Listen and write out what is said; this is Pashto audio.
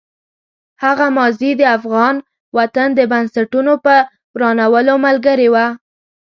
هغه ماضي د افغان وطن د بنسټونو په ورانولو ملګرې وه.